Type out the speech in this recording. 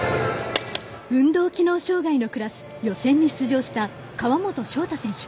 運動機能障がいのクラス予選に出場した川本翔大選手。